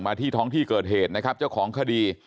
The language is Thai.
ที่ท้องที่เกิดเหตุนะครับเจ้าของคดี